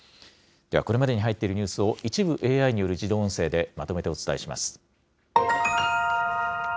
では、これまでに入っているニュースを、一部、ＡＩによる自動音声によりまとめてお伝えします。